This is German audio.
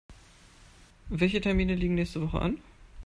Welche Termine liegen nächste Woche an?